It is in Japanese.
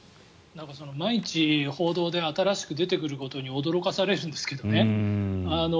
毎日報道で新しく出てくることに驚かされるんですけどね。